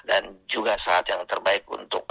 juga saat yang terbaik untuk